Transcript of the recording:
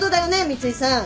三井さん。